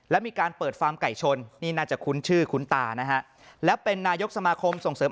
และมีการเปิดฟาร์มไก่ชนนี่น่าจะคุ้นชื่อคุ้นตานะฮะและเป็นนายกสมาคมส่งเสริม